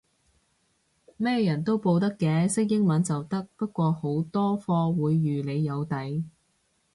咩人都報得嘅，識英文就得，不過好多課會預你有底